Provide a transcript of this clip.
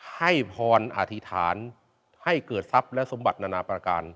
ให้พรอธิษฐานให้เกิดทรัพย์และสมบัตินานาประการ